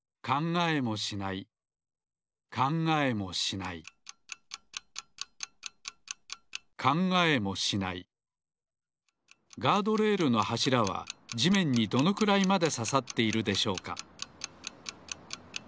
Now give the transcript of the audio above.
考えもしないガードレールのはしらはじめんにどのくらいまでささっているでしょうか？